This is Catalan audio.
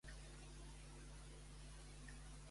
Què ocasiona que s'horripili el cabrer?